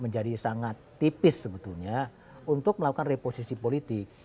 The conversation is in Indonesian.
menjadi sangat tipis sebetulnya untuk melakukan reposisi politik